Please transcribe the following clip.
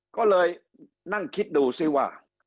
ก็เลยนั่งคิดดูซิว่า